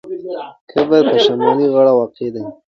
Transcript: قبر یې په شمالي غاړه واقع دی.